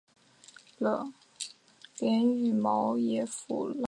无柄鳞毛蕨为鳞毛蕨科鳞毛蕨属下的一个种。